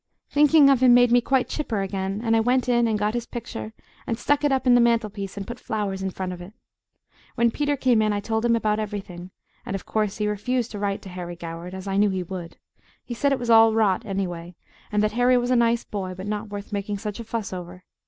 Thinking of him made me quite chipper again, and I went in and got his picture and stuck it up in the mantel piece and put flowers in front of it. When Peter came in I told him about everything, and of course he refused to write to Harry Goward, as I knew he would. He said it was all rot, anyway, and that Harry was a nice boy, but not worth making such a fuss over.